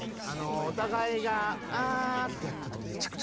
お互いがあ！ってやった時。